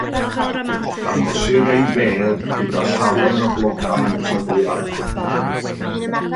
Dangosir ei fedd gyda llawer o flodau'n tyfu arno.